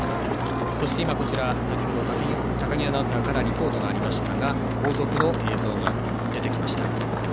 先程高木アナウンサーからリポートがありましたが後続の映像が出てきました。